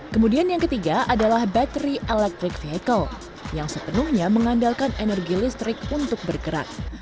kemudian yang ketiga adalah bateri electric vehicle yang sepenuhnya mengandalkan energi listrik untuk bergerak